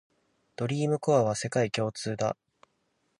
ドリームコアは世界共通だ